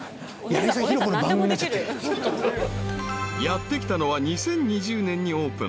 ［やって来たのは２０２０年にオープン］